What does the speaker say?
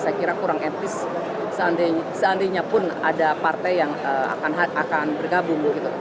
saya kira kurang etis seandainya pun ada partai yang akan bergabung